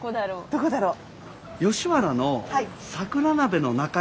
どこだろう？